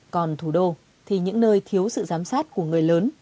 còn thủ đô thì những nơi thiếu sự giám sát của người lớn